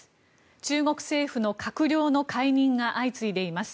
中国政府の閣僚の解任が相次いでいます。